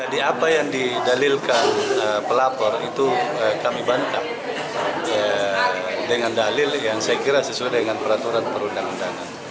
di apa yang didalilkan pelapor itu kami bantah dengan dalil yang saya kira sesuai dengan peraturan perundang undangan